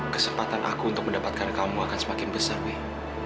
kesempatan aku untuk mendapatkan kamu akan semakin besar wih